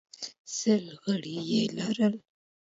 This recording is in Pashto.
سل غړي یې لرل